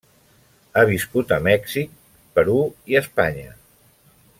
Ha viscut a Mèxic, Perú i Espanya.